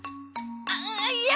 ああいや！